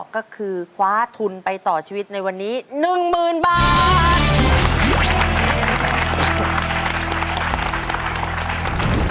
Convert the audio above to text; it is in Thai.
ก็คือคว้าทุนไปต่อชีวิตในวันนี้หนึ่งหมื่นบาท